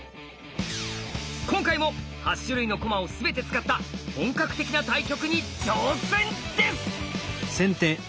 今回も８種類の駒を全て使った本格的な対局に挑戦です！